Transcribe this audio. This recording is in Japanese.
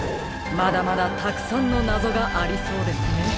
まだまだたくさんのなぞがありそうですね。